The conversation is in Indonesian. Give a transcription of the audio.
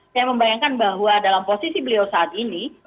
saya membayangkan bahwa dalam posisi beliau saat ini